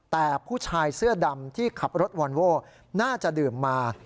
แต่ผู้ชายเสื้อดำที่ขับรถวอนโว้น่าจะดื่มมา